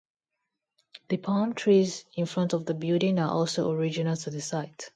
The palm trees in front of the building are also original to the site.